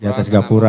di atas gapura